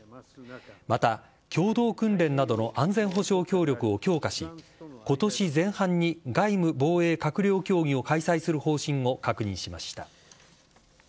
また、共同訓練などの安全保障協力を強化し、ことし前半に外務・防衛閣僚協議を開催する方針を確認しました。